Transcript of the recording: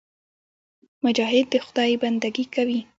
مجاهد د خدای بندګي کوي.